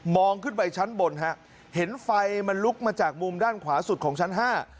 ขึ้นไปชั้นบนฮะเห็นไฟมันลุกมาจากมุมด้านขวาสุดของชั้นห้า